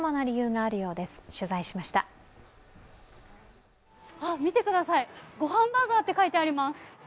あっ、見てください、ごはんバーガーって書いてあります。